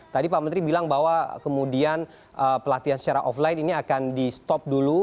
tadi pak menteri bilang bahwa kemudian pelatihan secara offline ini akan di stop dulu